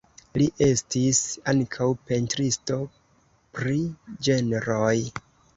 Li estis ankaŭ pentristo pri ĝenroj.